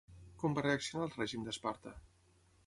Com va reaccionar el règim d'Esparta?